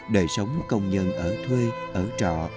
đời sống công nhân ở thuê ở trọ